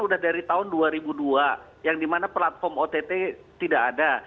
sudah dari tahun dua ribu dua yang dimana platform ott tidak ada